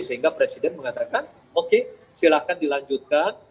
sehingga presiden mengatakan oke silahkan dilanjutkan